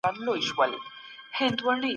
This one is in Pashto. ولي د مشر په ټاکلو کي اختلاف و؟